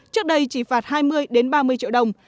trước đây chỉ phạt hai mươi ba mươi triệu đồng